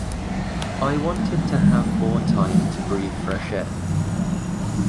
I wanted to have more time to breathe fresh air